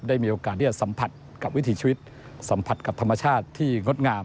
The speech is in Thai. มีโอกาสที่จะสัมผัสกับวิถีชีวิตสัมผัสกับธรรมชาติที่งดงาม